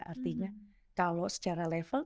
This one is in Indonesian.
artinya kalau secara level